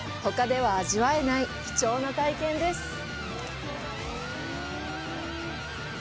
ほかでは味わえない貴重な体験です。